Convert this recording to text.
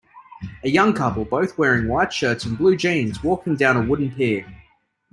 a young couple both wearing white shirts and blue jeans walking down a wooden pier.